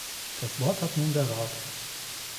Das Wort hat nun der Rat.